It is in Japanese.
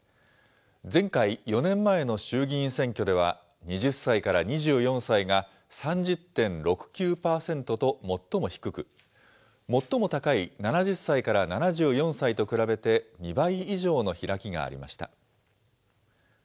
前回・４年前の衆議院選挙では、２０歳から２４歳が３０．６９％と最も低く、最も高い７０歳から７４歳と比べて２倍以上の開きがありました。